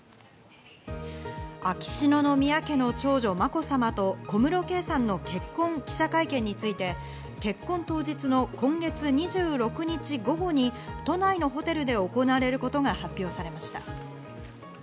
秋篠宮家の長女・まこさまと小室圭さんの結婚記者会見について、結婚当日の今月２６日午後に都内のホテルで行われることが発表されました。